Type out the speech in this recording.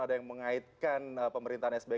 ada yang mengaitkan pemerintahan sby